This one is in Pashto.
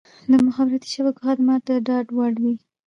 د مخابراتي شبکو خدمات د ډاډ وړ وي.